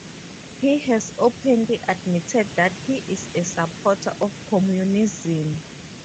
He has openly admitted that he is a supporter of communism.